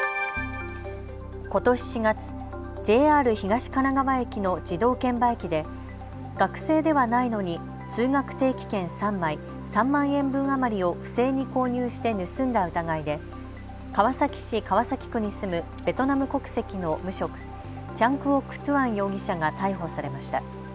ことし４月、ＪＲ東神奈川駅の自動券売機で学生ではないのに通学定期券３枚、３万円分余りを不正に購入して盗んだ疑いで川崎市川崎区に住むベトナム国籍の無職、チャン・クォック・トゥアン容疑者が逮捕されました。